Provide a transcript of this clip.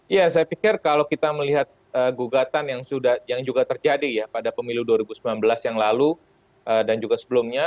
ya saya pikir kalau kita melihat gugatan yang juga terjadi ya pada pemilu dua ribu sembilan belas yang lalu dan juga sebelumnya